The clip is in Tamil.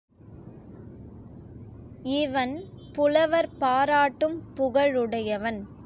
இவன் புலவர் பாராட்டும் புகழுடையவன்.